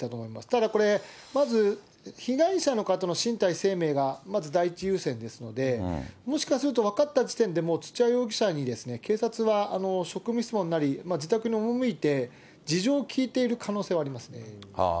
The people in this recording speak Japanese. ただこれ、まず被害者の方の身体、生命がまず第一優先ですので、もしかすると分かった時点で、もう土屋容疑者に警察は、職務質問なり、自宅におもむいて、事情を聴いている可能性はありますね。